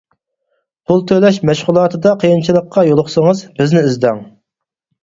پۇل تۆلەش مەشغۇلاتىدا قىيىنچىلىققا يولۇقسىڭىز، بىزنى ئىزدەڭ.